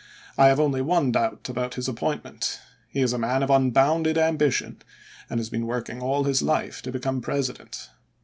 I have only one doubt about his appoint ment. He is a man of unbounded ambition, and has been working all his life to become President.